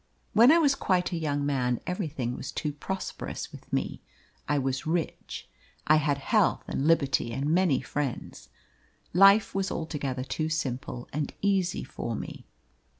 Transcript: "When I was quite a young man everything was too prosperous with me. I was rich, I had health and liberty and many friends; life was altogether too simple and easy for me.